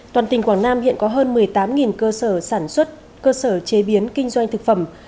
toàn tỉnh quảng nam hiện có hơn một mươi tám cơ sở sản xuất cơ sở chế biến kinh doanh thực phẩm